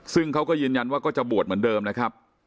ซึ่งเขาก็ยืนยันว่าก็จะบวชเหมือนเดิมนะครับ